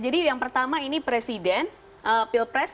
yang pertama ini presiden pilpres